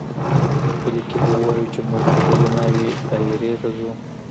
په کلي کښې به ووايو چې موږ د بلې ناوې دايرې ته ځو.